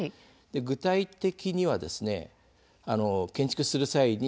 具体的には建築する際に